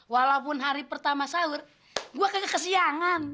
walaupun hari pertama sahur gua kagak kesiangan